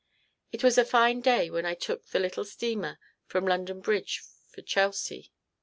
It was a fine May day when I took the little steamer from London Bridge for Chelsea.